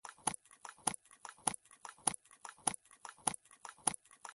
د هوا د پاکوالي لپاره کوم بخار وکاروم؟